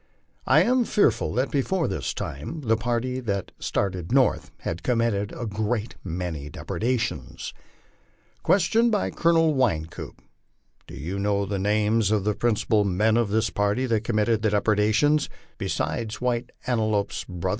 I am fearful that before this time the party that started north had committed a great many depredations. " Question by Colonel Wynkoop: " Do you know the names of the principal men of this party that committed the depredations, besides "White Antelope's brother?"